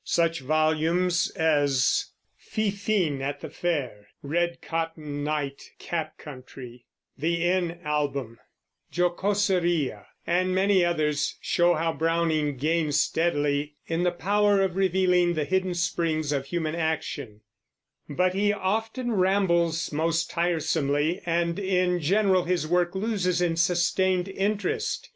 Such volumes as Fifine at the Fair, Red Cotton Night Cap Country, The Inn Album, Jocoseria, and many others, show how Browning gains steadily in the power of revealing the hidden springs of human action; but he often rambles most tiresomely, and in general his work loses in sustained interest.